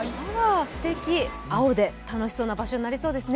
青で楽しそうな場所になりそうですね。